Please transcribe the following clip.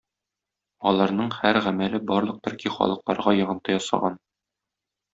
Аларның һәр гамәле барлык төрки халыкларга йогынты ясаган.